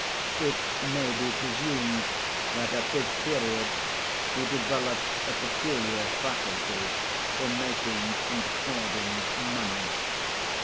It may be presumed that at this period he developed a peculiar faculty for making and hoarding money.